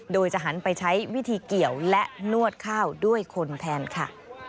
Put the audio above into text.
โดยจะหันไปใช้วิธีเกี่ยวและนวดข้าวด้วยคนแทนค่ะ